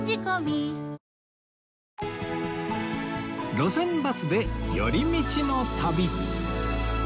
『路線バスで寄り道の旅』